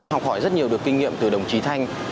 học hỏi rất nhiều được kinh nghiệm từ đồng chí thanh